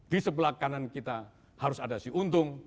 di sebelah kanan kita harus ada si untung